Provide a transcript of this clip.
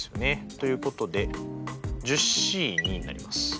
ということでＣになります。